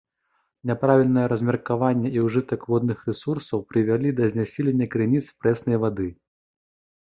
Няправільнае размеркаванне і ўжытак водных рэсурсаў прывялі да знясілення крыніц прэснай вады.